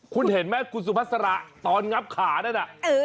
คุณเห็นไหมคุณสุภาษาตอนงับขานั่นน่ะ